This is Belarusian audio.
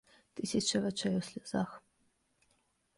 Тысячы вачэй у слязах.